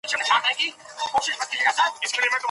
حقوقپوهان د نړیوال عدالت لپاره څه وړاندیز کوي؟